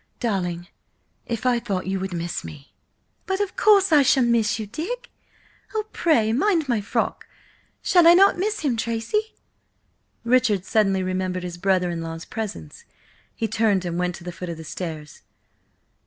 "Darling, if I thought you would miss me—" "But of course I shall miss you, Dick–oh, pray, mind my frock! Shall I not miss him, Tracy?" Richard suddenly remembered his brother in law's presence. He turned and went to the foot of the stairs.